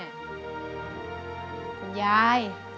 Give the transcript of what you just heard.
คุณย่า